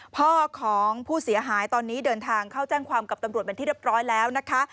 พ่อของผู้เสียหายตอนนี้เดินทางเข้าแจ้งความกับตำรวจเป็นที่เรียบร้อยแล้วนะคะ